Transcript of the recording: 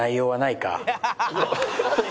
「ハハハハ！